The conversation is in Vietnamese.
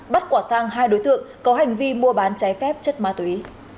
bắt quả tăng hai đối tượng có hành vi mua bán trái phép chất ma túy